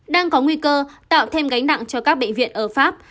đang có nguy cơ tạo thêm gánh nặng cho các bệnh viện ở pháp